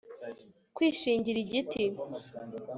kwishingira igiti